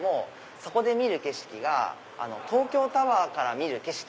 そこで見る景色が東京タワーから見る景色